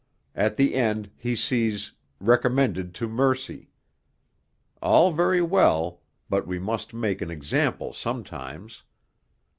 At the end he sees 'Recommended to Mercy.' 'All very well, but we must make an example sometimes.